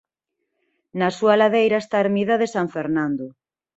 Na súa ladeira está a ermida de San Fernando.